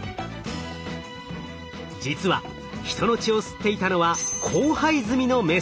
実は人の血を吸っていたのは交配済みのメス。